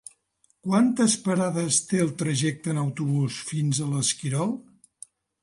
Quantes parades té el trajecte en autobús fins a l'Esquirol?